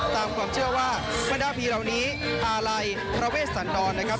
ตามความเชื่อว่าบรรดาผีเหล่านี้อาลัยพระเวทสันดรนะครับ